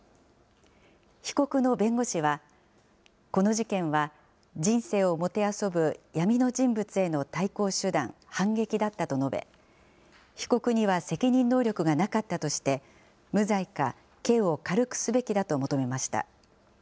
被告の弁護士は、この事件は、人生をもてあそぶ闇の人物への対抗手段、反撃だったと述べ、被告には責任能力がなかったとして、無罪か刑を軽くすべきだと求めました。